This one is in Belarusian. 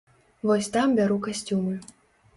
Вось там бяру касцюмы.